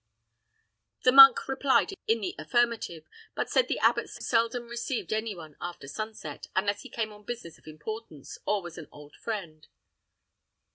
The monk replied in the affirmative, but said the abbot seldom received any one after sunset, unless he came on business of importance, or was an old friend.